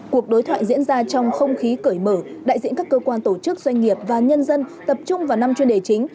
cuộc đối thoại diễn ra trong không khí cởi mở đại diện các cơ quan tổ chức doanh nghiệp và nhân dân tập trung vào năm chuyên đề chính